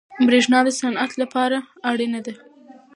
برښنا د صنعت لپاره اړینه ده.